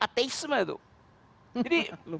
ateisme itu jadi